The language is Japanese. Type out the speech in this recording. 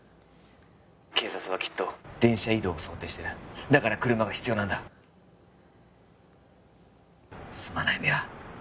☎警察はきっと電車移動を想定してるだから車が必要なんだすまない三輪